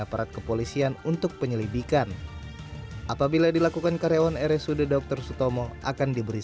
aparat kepolisian untuk penyelidikan apabila dilakukan karyawan rsud dr sutomo akan diberi